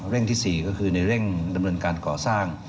ที่๔ก็คือในเร่งดำเนินการก่อสร้าง